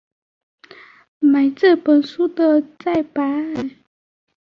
买这本书的再版